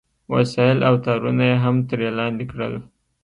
وسایل او تارونه یې هم ترې لاندې کړل